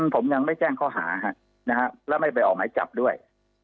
ผมยังไม่แจ้งเขาหาและไม่ไปไอกล่ะไหมก็จับด้วย